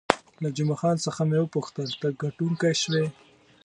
له جمعه خان څخه مې وپوښتل، ته ګټونکی شوې؟